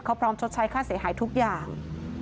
เขาพร้อมชดใช้ค่าเสียหายทุกอย่าง